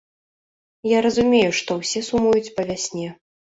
Я разумею, што ўсе сумуюць па вясне.